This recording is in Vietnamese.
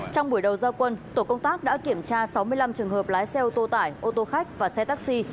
trong buổi đầu giao quân tổ công tác đã kiểm tra sáu mươi năm trường hợp lái xe ô tô tải ô tô khách và xe taxi